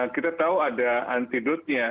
kita tahu ada antidotnya